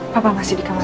papa masih di kamar